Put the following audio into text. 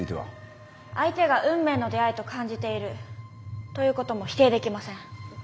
相手が運命の出会いと感じているということも否定できません。